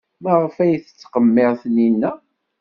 Maɣef ay tettqemmir Taninna?